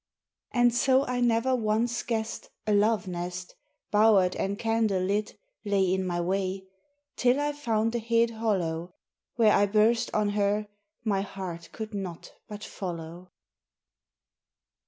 And so I never once guessed A Love nest, Bowered and candle lit, lay In my way, Till I found a hid hollow, Where I burst on her my heart could not but follow.